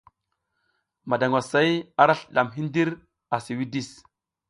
Madangwasay ara slidadm hidir a si widis.